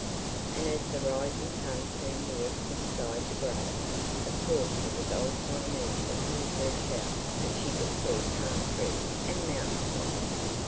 And as the rising sun turned the eastern sky to gray, of course it was old Polynesia who first shouted that she could see palm trees and mountain tops.